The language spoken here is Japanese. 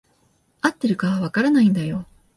合ってるか分からないんだよ。